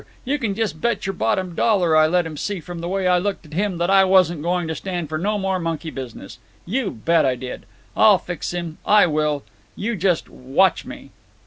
You can just bet your bottom dollar I let him see from the way I looked at him that I wasn't going to stand for no more monkey business. You bet I did!… I'll fix him, I will. You just watch me.